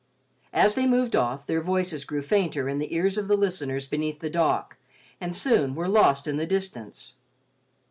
As they moved off, their voices grew fainter in the ears of the listeners beneath the dock and soon were lost in the distance.